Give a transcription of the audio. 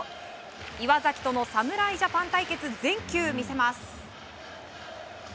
岩崎との侍ジャパン対決全球見せます。